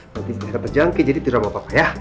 nanti sudah ada perjangkit jadi tidur sama papa ya